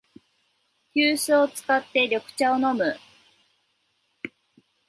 急須を使って緑茶を飲む